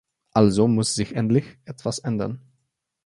Also muss sich endlich etwas ändern.